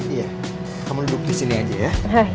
iya kamu duduk disini aja ya